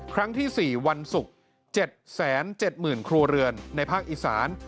ครั้งที่๔วันศุกร์๗๗๐๐ครัวเรือนในภาคอีสาน